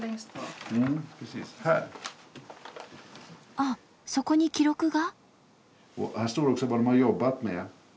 あっそこに記録が？